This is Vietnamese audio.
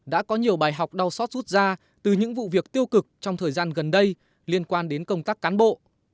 đã có nhiều bài học đau xót rút ra từ những vụ việc tiêu cực trong thời gian gần đây liên quan đến công tác cán bộ